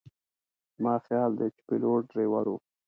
زما خیال دی چې پیلوټ ډریور و.